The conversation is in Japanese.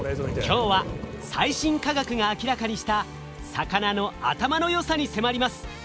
今日は最新科学が明らかにした魚の頭の良さに迫ります。